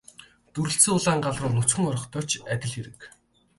Дүрэлзсэн улаан гал руу нүцгэн орохтой л адил хэрэг.